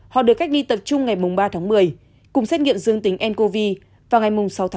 họ được cách ly tập trung ngày ba tháng một mươi cùng xét nghiệm dương tính ncov vào ngày sáu tháng một mươi